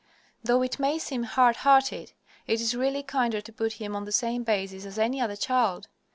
Though it may seem hard hearted, it is really kinder to put him on the same basis as any other child.